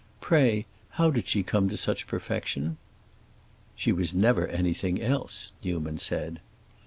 Pray, how did she come to such perfection?" "She was never anything else," Newman said.